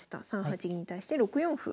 ３八銀に対して６四歩。